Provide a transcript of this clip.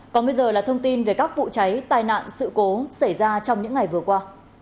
còn bây giờ là thông tin về các vụ cháy tai nạn sự cố xảy ra trong những ngày vừa qua